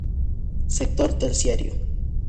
Sector Terciario.